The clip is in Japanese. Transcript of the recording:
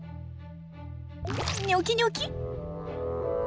ニョキニョキ！